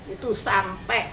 itu sampai akhir hayat